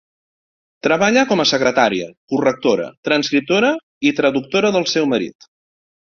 Treballa com a secretària, correctora, transcriptora i traductora del seu marit.